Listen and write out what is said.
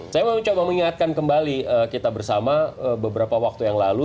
saya mau coba mengingatkan kembali kita bersama beberapa waktu yang lalu